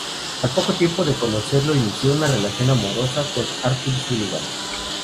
Al poco tiempo de conocerlo inició una relación amorosa con Arthur Sullivan.